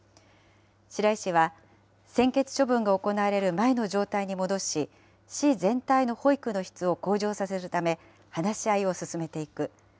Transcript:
白井氏は、専決処分が行われる前の状態に戻し、市全体の保育の質を向上させるため、話し合いを進めていく。